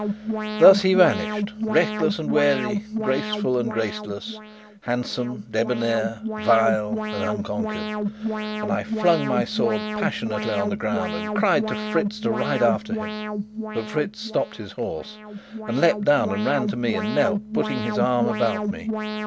Thus he vanished reckless and wary, graceful and graceless, handsome, debonair, vile, and unconquered. And I flung my sword passionately on the ground and cried to Fritz to ride after him. But Fritz stopped his horse, and leapt down and ran to me, and knelt, putting his arm about me.